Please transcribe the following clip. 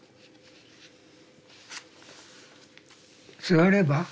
座れば？